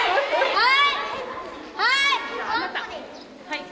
はい！